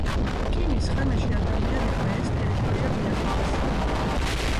რკინის ხანაში ადამიანებმა ეს ტერიტორია მიატოვეს.